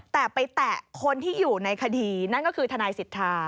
แต่ไปแตะคนที่อยู่ในคดีนั่นก็คือทนายสิทธา